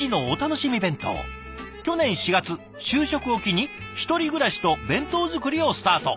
去年４月就職を機に１人暮らしと弁当作りをスタート。